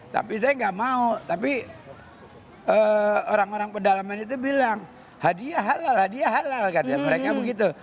tapi saya nggak mau tapi orang orang pedalaman itu bilang hadiah halal hadiah halal katanya mereka begitu